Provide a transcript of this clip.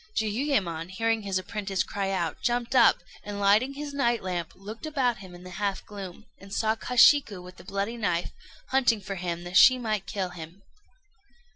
Jiuyémon, hearing his apprentice cry out, jumped up, and, lighting his night lamp, looked about him in the half gloom, and saw Kashiku with the bloody knife, hunting for him that she might kill him.